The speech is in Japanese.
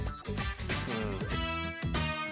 うん。